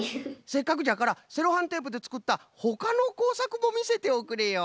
せっかくじゃからセロハンテープでつくったほかのこうさくもみせておくれよ！